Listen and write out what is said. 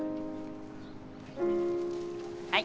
はい。